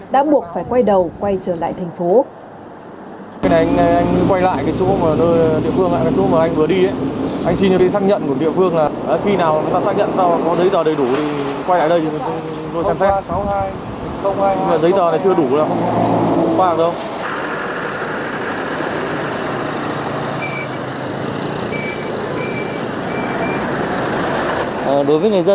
đã buộc phải quay đầu quay trở lại thành phố